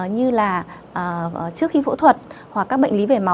như là trước khi phẫu thuật hoặc các bệnh lý về máu